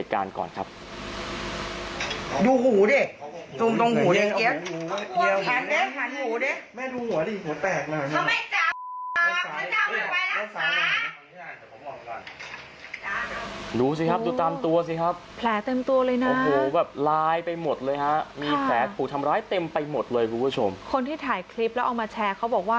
คุณผู้ชมไปชมคลิปภาพเหตุการณ์ก่อนครับ